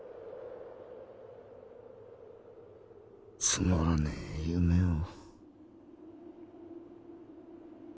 つまらねえ夢を。